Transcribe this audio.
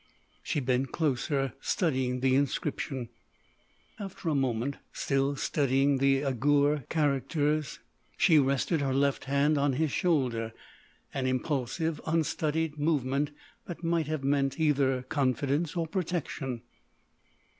She bent closer, studying the inscription. After a moment, still studying the Eighur characters, she rested her left hand on his shoulder—an impulsive, unstudied movement that might have meant either confidence or protection.